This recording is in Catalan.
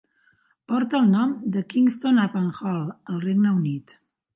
Porta el nom de Kingston upon Hull al Regne Unit.